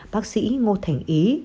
bác sĩ ngô thành ý